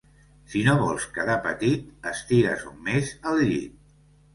Si no vols quedar petit estigues un mes al llit.